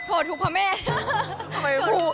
โทษถูกพระเมตร